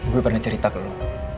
gue pernah cerita ke lo